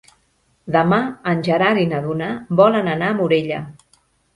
Demà en Gerard i na Duna volen anar a Morella.